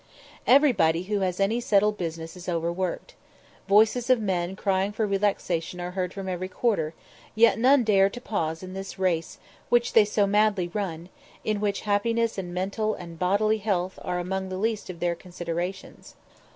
Everybody who has any settled business is overworked. Voices of men crying for relaxation are heard from every quarter, yet none dare to pause in this race which they so madly run, in which happiness and mental and bodily health are among the least of their considerations.